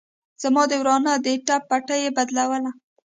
زما د ورانه د ټپ پټۍ يې بدلوله.